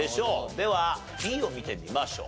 ではＢを見てみましょう。